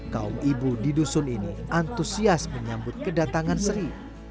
kaum ibu di dusun ini antusias menyambut kedatangan sri